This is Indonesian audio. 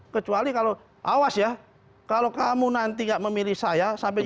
kecuali kalau awas ya kalau kamu nanti tidak memilih saya sampai ini